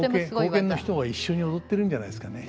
後見の人が一緒に踊ってるんじゃないですかね。